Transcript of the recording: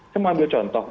saya mau ambil contoh